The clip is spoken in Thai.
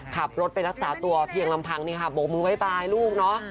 ขับรถไปรักษาตัวเพียงลำพังโบกมุมไว้ไปลูกเนอะ